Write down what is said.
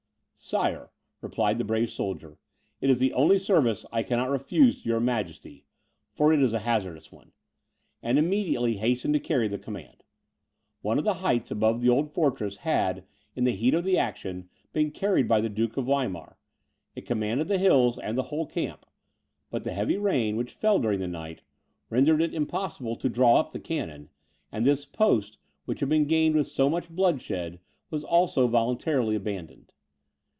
"Sire," replied the brave soldier, "it is the only service I cannot refuse to your Majesty; for it is a hazardous one," and immediately hastened to carry the command. One of the heights above the old fortress had, in the heat of the action, been carried by the Duke of Weimar. It commanded the hills and the whole camp. But the heavy rain which fell during the night, rendered it impossible to draw up the cannon; and this post, which had been gained with so much bloodshed, was also voluntarily abandoned.